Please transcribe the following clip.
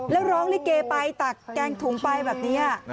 แล้วร้องลิเกไปตักแกงถุงไปแบบนี้